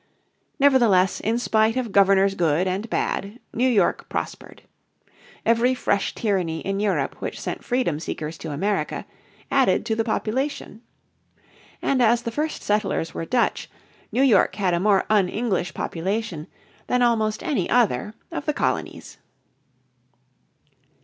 Nevertheless in spite of Governors good and bad New York prospered. Every fresh tyranny in Europe which sent freedom seekers to America added to the population. And as the first settlers were Dutch, New York had a more un English population than almost any other of the colonies.